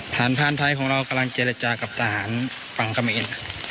พานไทยของเรากำลังเจรจากับทหารฝั่งกะเมน